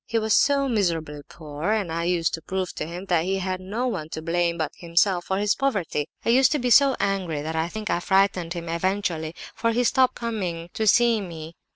He was so miserably poor, and I used to prove to him that he had no one to blame but himself for his poverty. I used to be so angry that I think I frightened him eventually, for he stopped coming to see me.